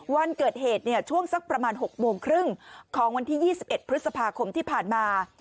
วันเกิดเหตุเนี่ยช่วงสักประมาณ๖โมงครึ่งของวันที่๒๑พฤษภาคมที่ผ่านมา